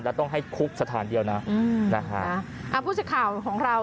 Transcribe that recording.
แล้วต้องให้คุกสถานเดียวนะอืมนะฮะอ่าผู้สื่อข่าวของเรา